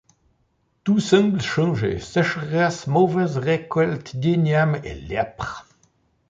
Tout semble changer ː sécheresse, mauvaise récolte d'ignames, et lèpre.